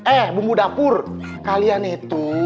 eh bumbu dapur kalian itu